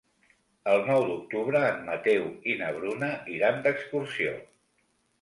El nou d'octubre en Mateu i na Bruna iran d'excursió.